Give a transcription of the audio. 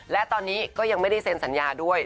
และตอนนี้ก็ยังไม่ได้เซ็นสัญญาด้วย